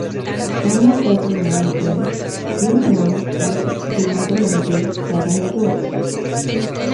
Como gobernante, Qianlong era extremadamente trabajador.